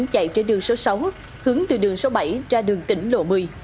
chạy trên đường số sáu hướng từ đường số bảy ra đường tỉnh lộ một mươi